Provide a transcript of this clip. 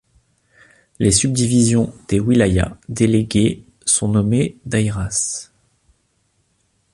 Les subdivisions des wilayas déléguées sont nommées daïras.